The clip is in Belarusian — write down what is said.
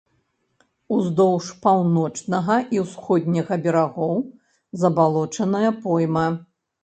Уздоўж паўночнага і ўсходняга берагоў забалочаная пойма.